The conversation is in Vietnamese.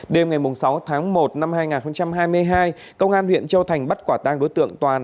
đêm ngày sáu tháng một năm hai nghìn hai mươi hai công an huyện châu thành bắt quả tang đối tượng toàn